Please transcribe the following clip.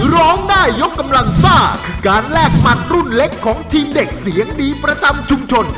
ร้องได้ยกกำลังซ่าคือการแลกหมัดรุ่นเล็กของทีมเด็กเสียงดีประจำชุมชน